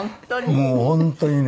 もう本当にね。